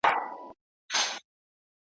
نه چا خبره پکښی کړه نه یې ګیلې کولې